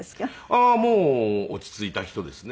もう落ち着いた人ですね。